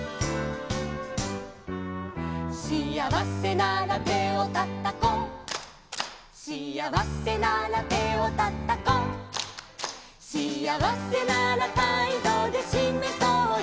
「しあわせなら手をたたこう」「」「しあわせなら手をたたこう」「」「しあわせなら態度でしめそうよ」